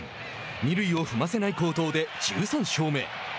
二塁を踏ませない好投で１３勝目。